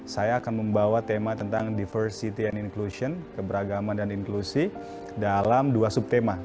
saya akan membawa tema tentang diversity and inclusion keberagaman dan inklusi dalam dua subtema